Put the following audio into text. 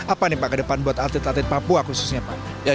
apa nih pak ke depan buat atlet atlet papua khususnya pak